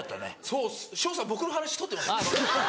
そうっす翔さん僕の話取ってますよ。